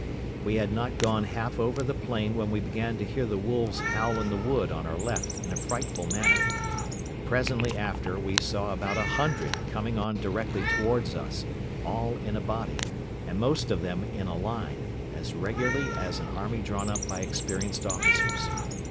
We had not gone half over the plain when we began to hear the wolves howl in the wood on our left in a frightful manner, and presently after we saw about a hundred coming on directly towards us, all in a body, and most of them in a line, as regularly as an army drawn up by experienced officers.